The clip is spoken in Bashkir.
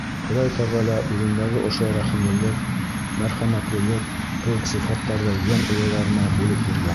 Хоҙай Тәғәлә үҙендәге ошо рәхимлелек, мәрхәмәтлелек кеүек сифаттарҙы йән эйәләренә бүлеп биргән.